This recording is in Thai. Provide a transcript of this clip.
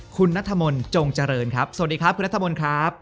คุณนัทมนต์จงเจริญครับสวัสดีครับคุณนัทมนต์ครับ